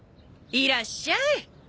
いらっしゃい。